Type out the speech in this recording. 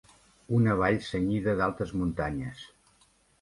Una vall cenyida d'altes muntanyes.